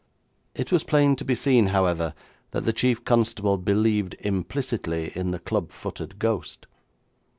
It was plain to be seen, however, that the chief constable believed implicitly in the club footed ghost.